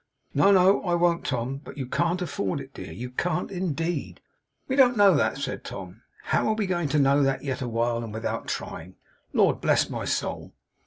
'No, no; I won't, Tom. But you can't afford it, dear. You can't, indeed.' 'We don't know that,' said Tom. 'How are we to know that, yet awhile, and without trying? Lord bless my soul!